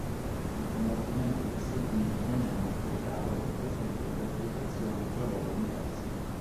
Il combattimento che seguì non è molto chiaro e presenta interpretazioni tra loro diverse.